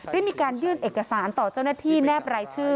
ได้มีการยื่นเอกสารต่อเจ้าหน้าที่แนบรายชื่อ